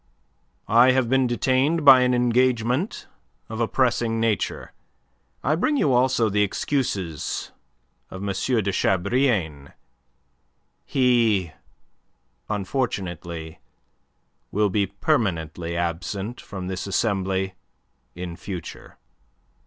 "I have been detained by an engagement of a pressing nature. I bring you also the excuses of M. de Chabrillane. He, unfortunately, will be permanently absent from this Assembly in future."